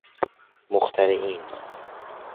مخترعین